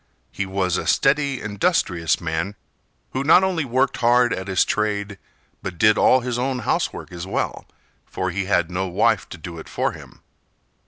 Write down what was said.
He was a steady, industrious man, who not only worked hard at his trade, but did all his own housework as well, for he had no wife to do it for him.